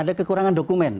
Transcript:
ada kekurangan dokumen